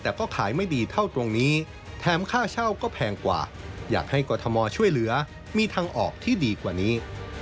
แต่ก็ขายไม่ดีเท่าตรงนี้แถมค่าเช่าก็แพงกว่าอยากให้กรทมช่วยเหลือมีทางออกที่ดีกว่านี้